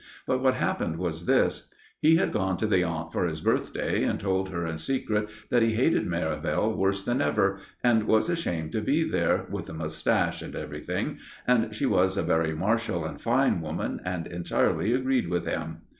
But what happened was this. He had gone to the aunt for his birthday, and told her in secret that he hated Merivale worse than ever, and was ashamed to be there, with a moustache and everything; and she was a very martial and fine woman, and entirely agreed with him.